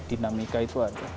dinamika itu ada